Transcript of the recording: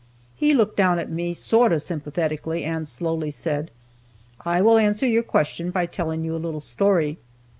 He looked down at me sort of sympathetically, and slowly said: "I will answer your question by telling you a little story.